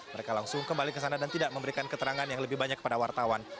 mereka langsung kembali ke sana dan tidak memberikan keterangan yang lebih banyak kepada wartawan